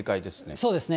そうですね。